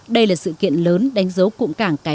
đây là sự kiện lớn đánh dấu cụm cảng cái mép thị vải